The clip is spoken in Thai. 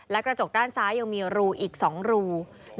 และกระจกด้านซ้ายยังมีรูอีก๒รู